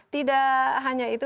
tidak hanya itu